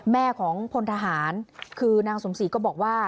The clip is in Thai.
แม่ของพลทหารคือนางสมศรีก็บอกว่า